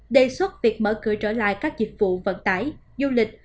đề xuất việc mở cửa trở lại các dịch vụ vận tải du lịch